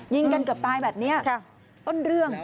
ยิงกันเกือบตายแบบนี้ต้นเรื่อง